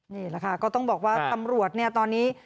นี่แหละค่ะก็ต้องบอกว่าตำรวจเนี่ยตอนนี้